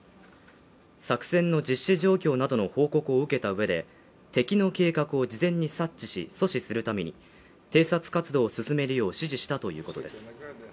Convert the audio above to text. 作戦の実施状況などの報告を受けた上で、敵の計画を事前に察知し、阻止するために、偵察活動を進めるよう指示したということです。